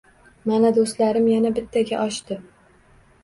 Mana, do‘stlarim yana bittaga oshdi